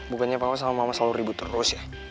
bukannya mama sama mama selalu ribut terus ya